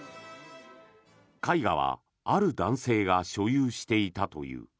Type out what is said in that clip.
絵画はある男性が所有していたという。